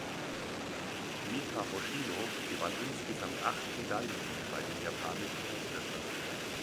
Mika Hoshino gewann insgesamt acht Medaillen bei den japanischen Meisterschaften.